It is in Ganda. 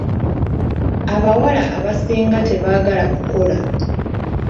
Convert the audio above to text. Abawala abasinga tebaagala kukola.